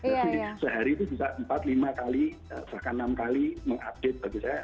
jadi sehari itu bisa empat lima kali bahkan enam kali mengupdate bagi saya